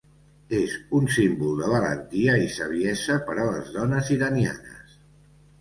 És un símbol de valentia i saviesa per a les dones iranianes.